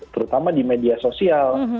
terutama di media sosial